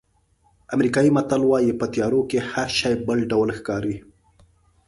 امریکایي متل وایي په تیارو کې هر شی بل ډول ښکاري.